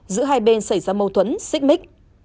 giữa hai bên xảy ra mâu thuẫn xích mích